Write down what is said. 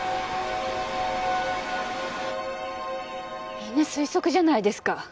みんな推測じゃないですか。